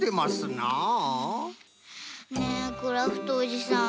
ねえクラフトおじさん。